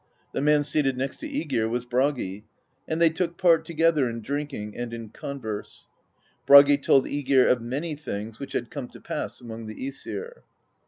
The man seated next to JEgir was Bragi, and they took part together in drink ing and in converse: Bragi told ^Egir of many things which had come to pass among the iEsir.